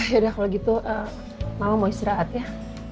akhirnya kalau gitu mama mau istirahat ya